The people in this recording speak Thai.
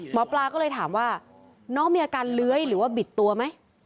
หมอปลาก็เลยถามว่าน้องมีอาการเลื้อยหรือว่าบิดตัวไหม